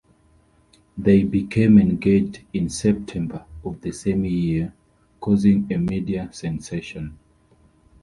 They became engaged in September of the same year, causing a media sensation.